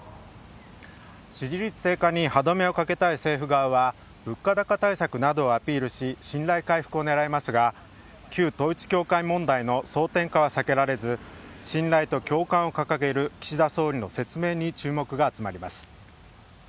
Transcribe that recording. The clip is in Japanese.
支持率低下に歯止めをかけたい政府側は、物価高対策などをアピールし、信頼回復をねらいますが、旧統一教会問題の争点化は避けられず、信頼と共感を掲げる岸田総理の説明に注目が集まります。